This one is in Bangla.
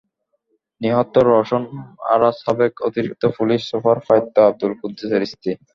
নিহত রওশন আরা সাবেক অতিরিক্ত পুলিশ সুপার প্রয়াত আবদুল কুদ্দুসের স্ত্রী।